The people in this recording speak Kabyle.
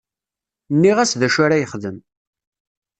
Nniɣ-as d acu ara yexdem.